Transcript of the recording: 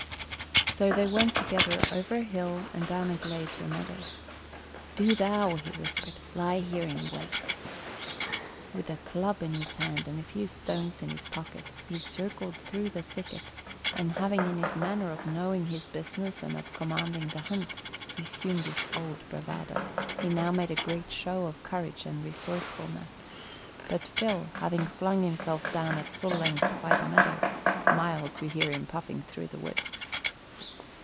So they went together over a hill and down a glade to a meadow. "Do thou," he whispered, "lie here in wait." With a club in his hand and a few stones in his pocket he circled through the thicket, and having in his manner of knowing his business and of commanding the hunt, resumed his old bravado, he now made a great show of courage and resourcefulness; but Phil, having flung himself down at full length by the meadow, smiled to hear him puffing through the wood.